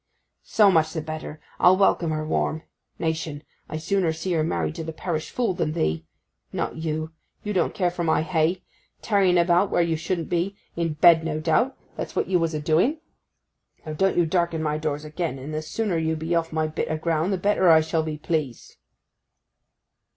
'So much the better. I'll welcome her warm. Nation! I'd sooner see her married to the parish fool than thee. Not you—you don't care for my hay. Tarrying about where you shouldn't be, in bed, no doubt; that's what you was a doing. Now, don't you darken my doors again, and the sooner you be off my bit o' ground the better I shall be pleased.